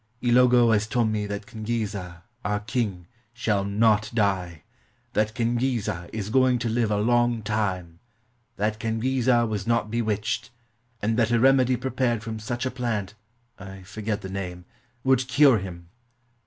Ilogo has told me that Quengueza, our king, shall not die; that Quengueza is going to live a long time ; that Quengueza was not bewitched, and that a remedy prepared from such a plant [I forget the name] would cure him.